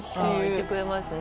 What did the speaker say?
言ってくれますね。